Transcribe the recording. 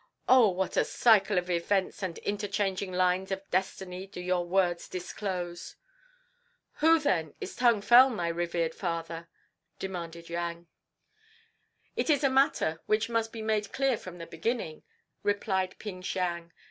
Oh, what a cycle of events and interchanging lines of destiny do your words disclose!" "Who, then, is Tung Fel, my revered Father?" demanded Yang. "It is a matter which must be made clear from the beginning," replied Ping Siang.